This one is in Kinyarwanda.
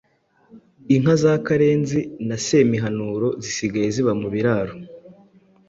Inka za Karenzi na Semiharuro zisigaye ziba mu biraro.